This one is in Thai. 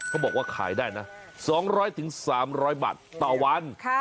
เขาบอกว่าขายได้นะ๒๐๐๓๐๐บาทต่อวัน